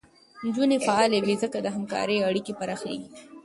نجونې فعاله وي، ځکه د همکارۍ اړیکې پراخېږي.